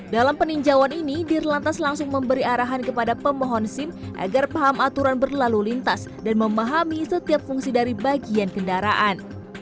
dalam peninjauan ini di relantas langsung memberi arahan kepada pemohon sim agar paham aturan berlalu lintas dan memahami setiap fungsi dari bagian kendaraan